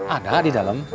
ada di dalam